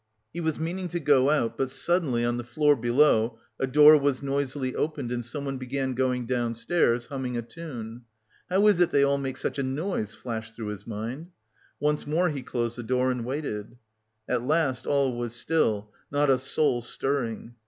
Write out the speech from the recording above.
He was meaning to go out, but suddenly, on the floor below, a door was noisily opened and someone began going downstairs humming a tune. "How is it they all make such a noise?" flashed through his mind. Once more he closed the door and waited. At last all was still, not a soul stirring.